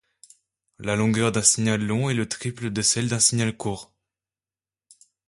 La longueur d'un signal long est le triple de celle d'un signal court.